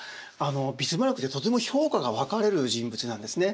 ビスマルクってとても評価が分かれる人物なんですね。